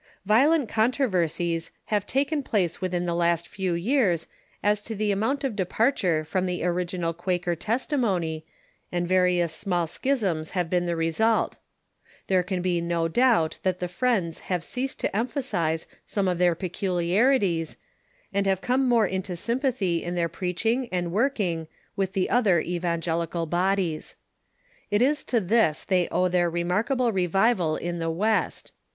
Violent controversies have taken place within the last few years as to the amount of departure from the original Quaker testimony, and various small schisms have been the Recent vesult. There can be no doubt that the Friends have Discussions ceased to emphasize some of their peculiarities, and have come more into sympathy in their jDreaching and working with the other evangelical bodies. It is to this they owe their remarkable revival in the West.